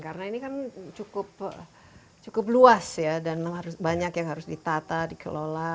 karena ini kan cukup luas ya dan banyak yang harus ditata dikelola